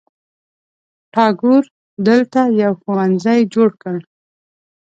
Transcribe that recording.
ټاګور دلته یو ښوونځي جوړ کړ.